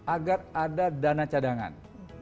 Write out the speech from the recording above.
agar ada dana cadangan